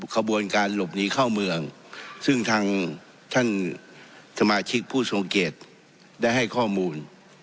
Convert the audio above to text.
ขบวนการหลบหนีเข้าเมืองซึ่งทางท่านสมาชิกผู้ทรงเกียจได้ให้ข้อมูล